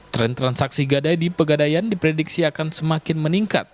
tren transaksi gadai di pegadaian diprediksi akan semakin meningkat